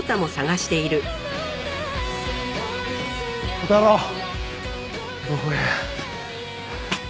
小太郎どこや？